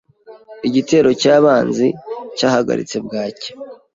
Igitero cyabanzi cyahagaritse bwacya.